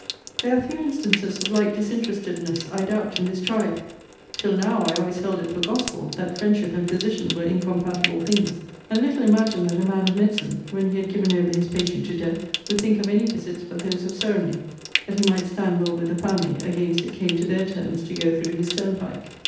There are few instances of like disinterestedness, I doubt, in this tribe. Till now I always held it for gospel, that friendship and physician were incompatible things; and little imagined that a man of medicine, when he had given over his patient to death, would think of any visits but those of ceremony, that he might stand well with the family, against it came to their turns to go through his turnpike.